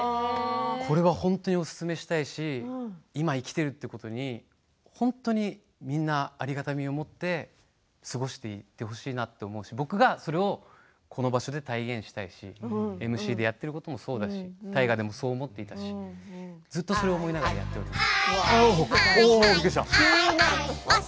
本当におすすめしたいし今、生きているっていうことに本当にありがたみを持ってみんな過ごしてほしいなと思うし僕がこの場所で体現したいし ＭＣ でやっていることもそうだし大河でもそう思っていたしずっとそれを思いながらやっています。